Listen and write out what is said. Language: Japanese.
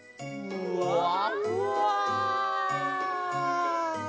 ふわふわ！